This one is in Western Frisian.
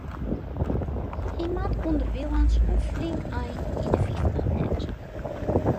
Hy moat ûnderwilens in flink ein yn de fyftich wêze.